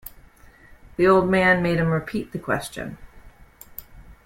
The old man made him repeat the question.